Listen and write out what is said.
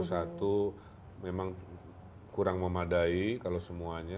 satu memang kurang memadai kalau semuanya